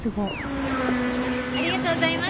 ありがとうございます。